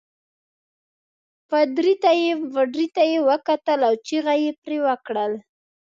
پادري ته یې وکتل او چغه يې پرې وکړل.